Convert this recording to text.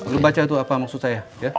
lo baca tuh apa maksud saya ya